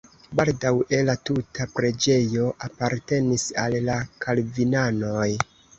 Baldaŭe la tuta preĝejo apartenis al la kalvinanoj.